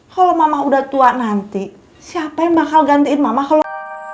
kalau mama udah tua nanti siapa yang bakal gantiin mama kalau